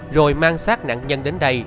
rồi mang sát nạn nhân đến đây